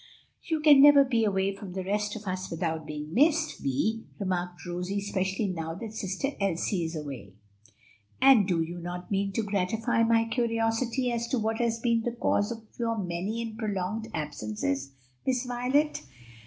"You can never be away from the rest of us without being missed, Vi," remarked Rosie; "especially now that Sister Elsie is away." "And do you not mean to gratify my curiosity as to what has been the cause of your many and prolonged absences, Miss Violet?"